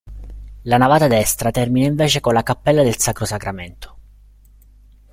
La navata destra termina invece con la cappella del Sacro Sacramento.